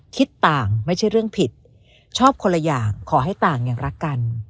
คิดต่างไม่ใช่เรื่องผิดชอบคนละอย่างขอให้ต่างอย่างรักกัน